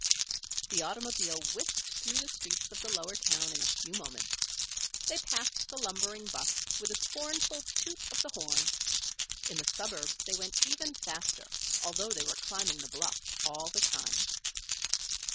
The automobile whisked through the streets of the lower town in a few moments. They passed the lumbering 'bus with a scornful toot of the horn. In the suburbs they went even faster, although they were climbing the bluff all the time.